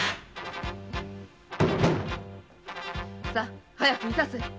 さぁ早くいたせ。